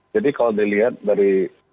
jadi kalau dilihat dari